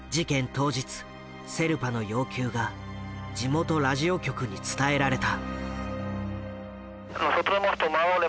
当日セルパの要求が地元ラジオ局に伝えられた。